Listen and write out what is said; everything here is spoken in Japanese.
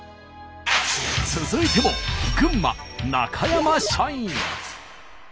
続いても群馬中山社員。